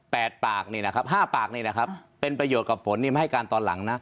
ดปากนี่นะครับห้าปากนี่นะครับเป็นประโยชน์กับฝนนี่มาให้การตอนหลังนะ